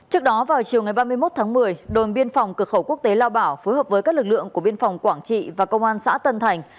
trước đó vào chiều ngày ba mươi một tháng một mươi đồn biên phòng cửa khẩu quốc tế lao bảo phối hợp với các lực lượng của biên phòng quảng trị và công an xã tân thành